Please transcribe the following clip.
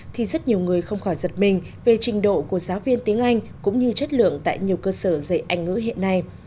thì rất nhiều người không khỏi giật mình về trình độ của giáo viên tiếng anh cũng như chất lượng tại nhiều cơ sở dạy anh ngữ hiện nay